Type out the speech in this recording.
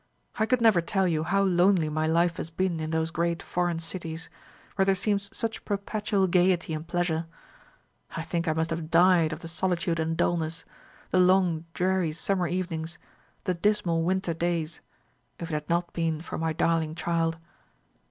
I could never tell you how lonely my life has been in those great foreign cities, where there seems such perpetual gaiety and pleasure. I think I must have died of the solitude and dulness the long dreary summer evenings, the dismal winter days if it had not been for my darling child.